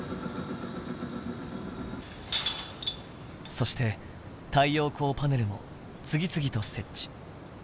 そして太陽光パネルも次々と設置。